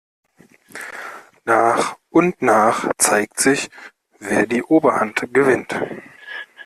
Nach und nach zeigt sich, wer die Oberhand gewinnt.